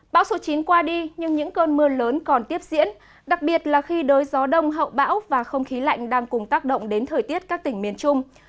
bão số chín qua đi nhưng những cơn mưa lớn còn tiếp diễn đặc biệt là khi đới gió đông hậu bão và không khí lạnh đang cùng tác động đến thời tiết các tỉnh miền trung